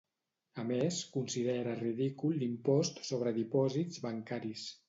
A més, considera ridícul l'impost sobre dipòsits bancaris.